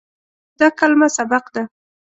دا کلمه "سبق" ده.